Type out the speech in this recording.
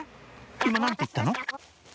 今何て言ったの？